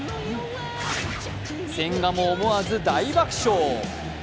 千賀も思わず大爆笑。